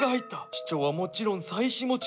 市長はもちろん妻子持ち。